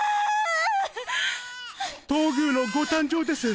東宮のご誕生です